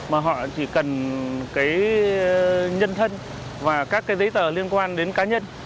mà họ chỉ cần cái nhân thân và các cái giấy tờ liên quan đến cá nhân